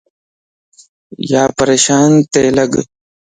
يا پريشان تي لڳ